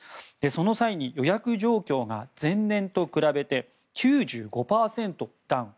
その際に予約状況が前年と比べて９５％ダウン。